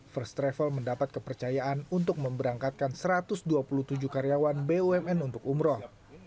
first travel mendapat kepercayaan untuk memberangkatkan satu ratus dua puluh tujuh karyawan bumn untuk umroh